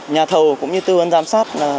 nhà thầu cũng như tư vấn giám sát